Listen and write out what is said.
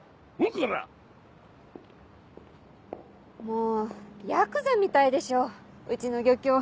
もうヤクザみたいでしょうちの漁協。